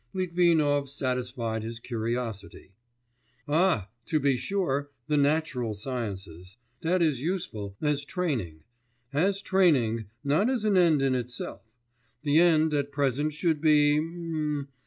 Litvinov satisfied his curiosity. 'Ah! to be sure, the natural sciences. That is useful, as training; as training, not as an end in itself. The end at present should be